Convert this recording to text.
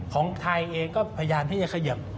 ของไทยเองก็พยายามที่จะเขยิบ